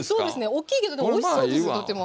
おっきいけどおいしそうですとっても。